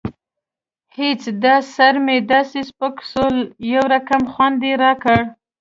هېڅ دا سر مې داسې سپک سوى يو رقم خوند يې راکړى.